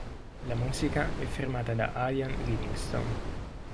La musica è firmata da Ian Livingstone.